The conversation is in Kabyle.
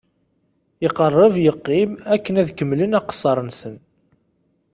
Iqerreb yeqqim akken ad kemmlen aqessar-nsen.